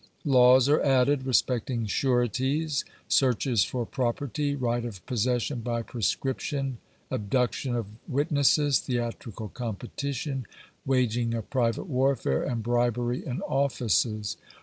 Laws are added respecting sureties, searches for property, right of possession by prescription, abduction of witnesses, theatrical competition, waging of private warfare, and bribery in offices.